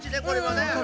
これはね。